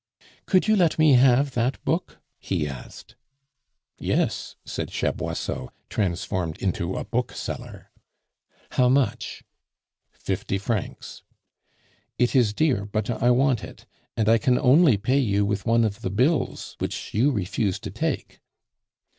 "Could you let me have that book?" he asked. "Yes," said Chaboisseau, transformed into a bookseller. "How much?" "Fifty francs." "It is dear, but I want it. And I can only pay you with one of the bills which you refuse to take."